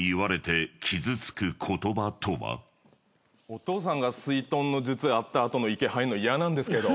お父さんがすいとんの術やった後の池入るの嫌なんですけど。